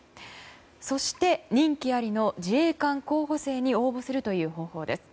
そして、任期ありの自衛官候補生に応募するという方法です。